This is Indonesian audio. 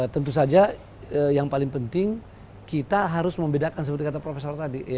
tentu saja yang paling penting kita harus membedakan seperti kata profesor tadi